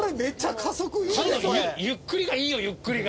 ゆっくりがいいよゆっくりが。